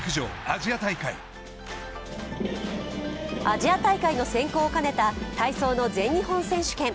アジア大会の選考を兼ねた体操の全日本選手権。